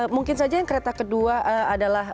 mungkin saja yang kereta kedua adalah